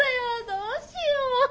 どうしよ。